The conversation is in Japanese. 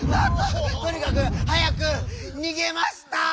ととにかく早く「にげましたぁ」！